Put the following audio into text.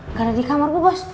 gak ada di kamar bu bos